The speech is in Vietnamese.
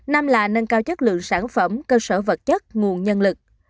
năm là nâng cao chất lượng sản phẩm cơ sở vật chất nguồn nhân lực